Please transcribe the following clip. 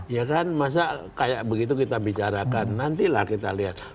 ya kan masa kayak begitu kita bicarakan nantilah kita lihat